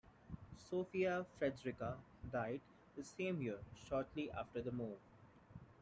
Sophia Frederica died the same year, shortly after the move.